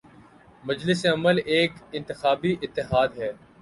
مجلس عمل ایک انتخابی اتحاد ہے۔